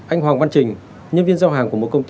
anh hoàng văn trình nhân viên giao hàng của một công ty